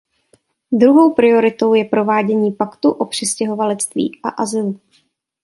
Druhou prioritou je provádění Paktu o přistěhovalectví a azylu.